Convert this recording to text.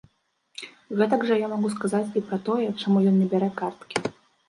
Гэтак жа я магу сказаць і пра тое, чаму ён не бярэ карткі.